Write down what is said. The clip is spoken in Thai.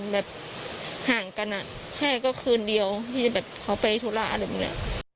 แบบห่างกันแค่ก็คืนเดียวที่แบบเขาไปธุระอะไรแบบนี้